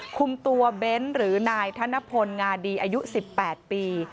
คุมตัวเบ้นหรือนายธนพลงาดีอายุ๑๘ปี